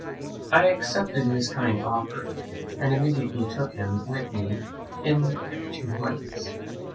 I accepted his kind offer, and immediately took him with me in a hack to White's.